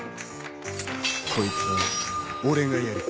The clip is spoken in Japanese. こいつは俺がやる。